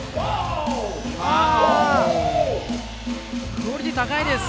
クオリティー高いです。